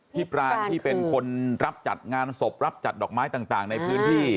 ปรางที่เป็นคนรับจัดงานศพรับจัดดอกไม้ต่างในพื้นที่